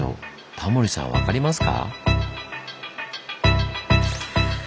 タモリさん分かりますか？